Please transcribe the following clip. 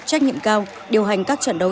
trách nhiệm cao điều hành các trận đấu